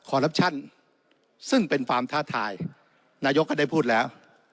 รับชั่นซึ่งเป็นความท้าทายนายกก็ได้พูดแล้ว